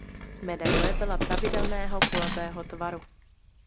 Medaile byla pravidelného kulatého tvaru.